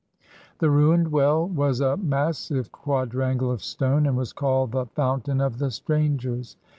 The ruined well was a massive quadrangle of stone, and was called the "Fountain of the Strangers."